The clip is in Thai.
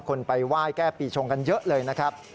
ไปไหว้แก้ปีชงกันเยอะเลยนะครับ